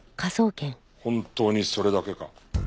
本当にそれだけか？